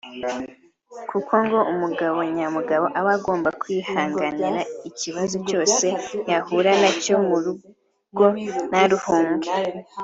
kuko ngo umugabo nyamugabo aba agomba kwihanganira ikibazo cyose yahura na cyo mu rugo ntaruhunge